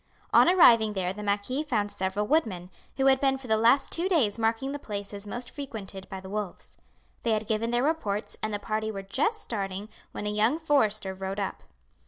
On arriving there the marquis found several woodmen, who had been for the last two days marking the places most frequented by the wolves. They had given their reports and the party were just starting when a young forester rode up.